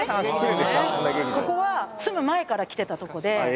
ここは住む前から来てたとこで。